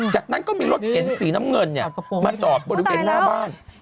จากนั้นก็มีรถเก๋งสีน้ำเงินมาจอดบริเวณหน้าบ้าน